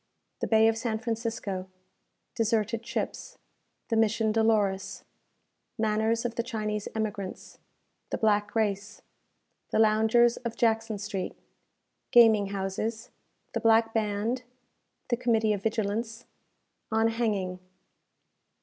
The Bay of San Francisco Deserted Ships The Mission Dolores Manners of the Chinese Emigrants The Black Race The Loungers of Jackson Street Gaming Houses The Black Band The Committee of Vigilance On Hanging.